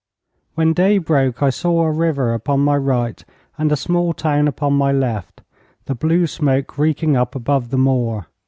When day broke, I saw a river upon my right and a small town upon my left the blue smoke reeking up above the moor.